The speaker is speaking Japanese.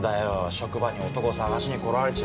職場に男探しに来られちゃ。